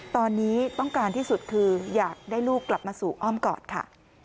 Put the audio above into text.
ตอนนี้ต้องการที่สุดคืออยากได้ลูกกลับมาสู่อ้อมกอดค่ะ